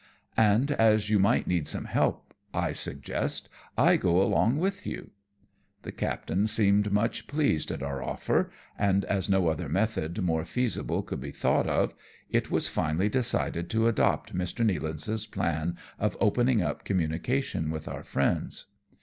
" And as you might need some help," I suggest, " I will go along with you." The captaia seemed much pleased at our offer, and as no other method more feasible could be thought of, L 2 148 AMONG TYPHOONS AND PIRATE CRAFT. it was finally decided to adopt Mr. Nealance's plan of opening up communication with our friends.